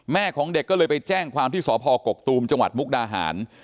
ของเด็กก็เลยไปแจ้งความที่สพกกตูมจังหวัดมุกดาหาร